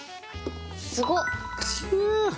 すごっ！